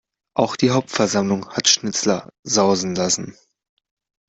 Auch die Hauptversammlung hat Schnitzler sausen lassen.